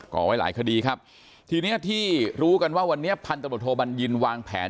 ่อไว้หลายคดีครับทีเนี้ยที่รู้กันว่าวันนี้พันธบทโทบัญญินวางแผน